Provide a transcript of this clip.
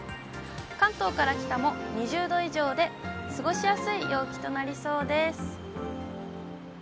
関東から北も２０度以上で、過ごしやすい陽気となりそうです。